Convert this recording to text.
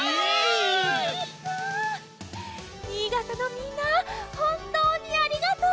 新潟のみんなほんとうにありがとう。